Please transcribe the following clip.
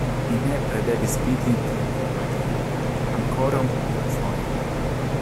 Mi nepre devis vidi vin hodiaŭ ankoraŭ unu fojon.